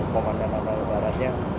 komandan armada barat nya